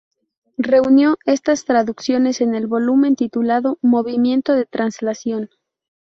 Reunió estas traducciones en el volumen titulado "Movimiento de traslación".